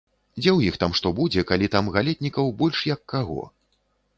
Дзе ў іх там што будзе, калі там галетнікаў больш, як каго.